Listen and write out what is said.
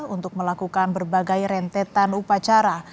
untuk melakukan berbagai rentetan upacara